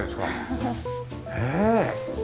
ねえ。